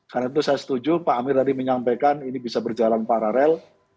karena itu saya setuju pak amir tadi menyampaikan ini bisa berjalan paralel